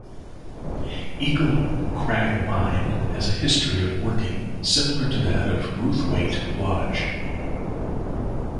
Eagle Crag Mine has a history of working similar to that of Ruthwaite Lodge.